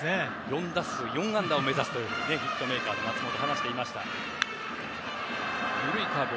４打数４安打を目指すヒットメーカーだと松本は話していました。